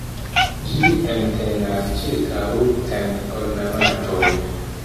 Ĝi entenas ĉirkaŭ cent ornamaĵojn.